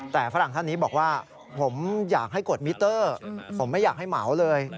แต่ฝรั่งท่านนี้บอกว่าผมอยากให้กดมิเตอร์ผมไม่อยากให้เหมาเลย